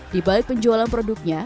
dibalik penjualan kemampuan